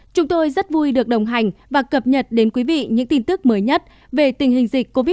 chúng tôi rất vui được đồng hành và cập nhật đến quý vị những tin tức mới nhất về tình hình dịch covid một mươi chín